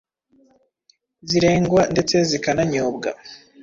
zirengwa ndetse zikananyobwa.